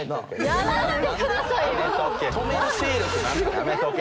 やめとけ！